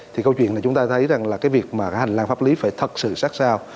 thì câu chuyện là chúng ta thấy rằng là cái việc mà cái hành lang pháp lý phải thật sự sát sao